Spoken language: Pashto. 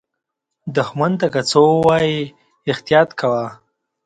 دښمن ته که څه ووایې، احتیاط کوه